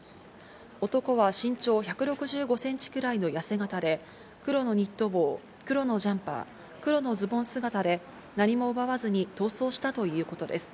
男は身長１６５センチくらいの痩せ形で黒のニット帽、黒のジャンパー、黒のズボン姿で何も奪わずに逃走したということです。